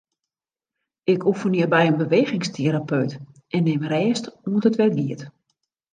Ik oefenje by in bewegingsterapeut en nim rêst oant it wer giet.